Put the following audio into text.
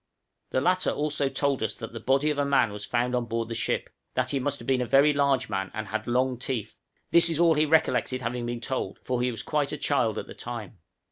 The latter also told us that the body of a man was found on board the ship; that he must have been a very large man, and had long teeth; this is all he recollected having been told, for he was quite a child at the time.